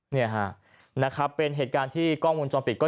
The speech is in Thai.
เนี่ยฮะนะครับเป็นเหตุการณ์ที่กล้องวงจรปิดก็